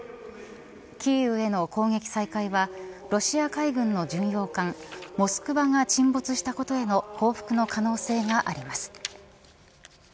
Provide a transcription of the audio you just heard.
キーウへの攻撃再開はロシア海軍の巡洋艦モスクワが沈没したことへの報復の可能性があります。